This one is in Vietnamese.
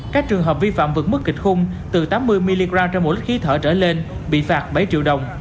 các trường hợp vi phạm vượt mức kịch khung từ tám mươi mg trên một lít khí thở trở lên bị phạt bảy triệu đồng